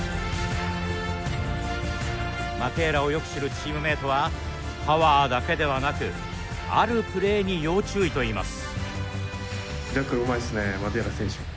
マテーラをよく知るチームメイトはパワーだけではなくあるプレーに要注意と言います。